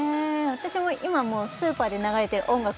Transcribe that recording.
私も今もうスーパーで流れてる音楽